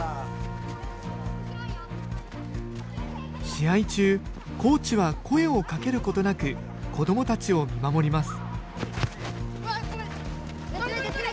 試合中、コーチは声をかけることなく、子どもたちを見守ります。